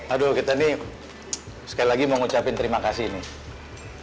aduh kita nih sekali lagi mau ngucapin terima kasih nih